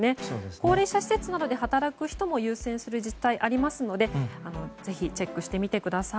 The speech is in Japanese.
高齢者施設などで働く人を優先するところありますのでぜひチェックしてみてください。